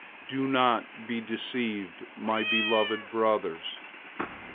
001:016 Don't be deceived, my beloved brothers.